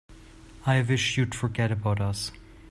I wish you'd forget about us.